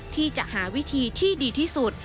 ที่จะหาวิธีที่ดีที่สุด